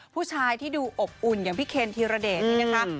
ผู้ชายที่ดูอบอุ่นอย่างพี่เคนธีรเดชนี่นะคะ